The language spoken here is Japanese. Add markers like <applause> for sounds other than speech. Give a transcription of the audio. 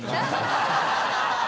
ハハハ <laughs>